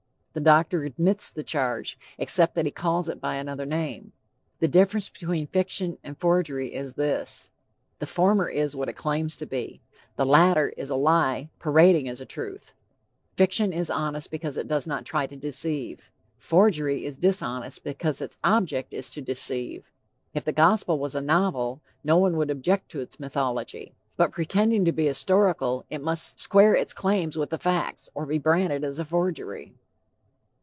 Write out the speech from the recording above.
The doctor admits the charge, except that he calls it by another name. The difference between fiction and forgery is this: the former is, what it claims to be; the latter is a lie parading as a truth. Fiction is honest because it does not try to deceive. Forgery is dishonest because its object is to deceive. If the Gospel was a novel, no one would object to its mythology, but pretending to be historical, it must square its claims with the facts, or be branded as a forgery.